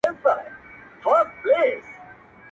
مسافري خواره خواري ده٫